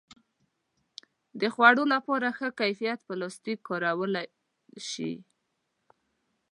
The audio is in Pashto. د خوړو لپاره باید ښه کیفیت پلاستيک وکارول شي.